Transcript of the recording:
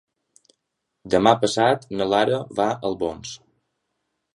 Demà passat na Lara va a Albons.